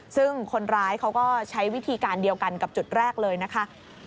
ซึ่งคนร้ายเขาก็ใช้วิธีการเดียวกันกับจุดแรกเลยนะคะ